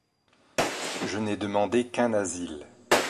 Je n’ai demandé qu’un asile